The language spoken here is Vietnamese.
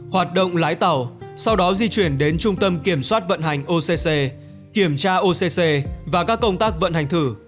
hoạt động lái tàu sau đó di chuyển đến trung tâm kiểm soát vận hành occ kiểm tra occ và các công tác vận hành thử